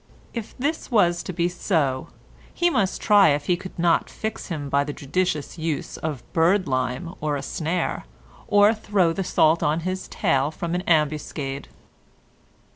If this was to be so, he must try if he could not fix him by the judicious use of bird lime or a snare, or throw the salt on his tail from an ambuscade.